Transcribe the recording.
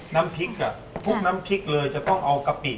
น้ำพริกอ่ะทุกน้ำพริกเลยจะต้องเอากะปิ